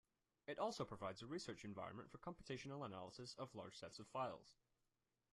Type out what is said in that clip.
It also provides a research environment for computational analysis of large sets of files.